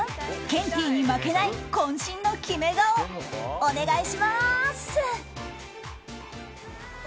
ケンティーに負けない渾身のキメ顔、お願いします！